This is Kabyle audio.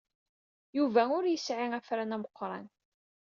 Yuba ur yesɛi afran ameqran.